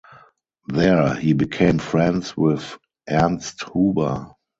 There he became friends with Ernst Huber.